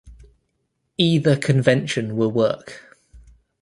Either convention will work.